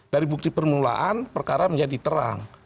dari bukti permulaan perkara menjadi terang